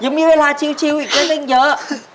ยังมีเวลาชิวอีกเล่นเยอะ